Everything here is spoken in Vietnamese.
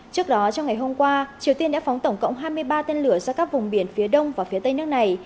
trước đó trong ngày hôm qua triều tiên đã phóng tổng cộng hai mươi ba tên lửa ra các vùng biển phía đông và phía tây nước này